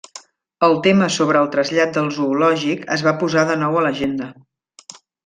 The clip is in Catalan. El tema sobre el trasllat del zoològic es va posar de nou a l'agenda.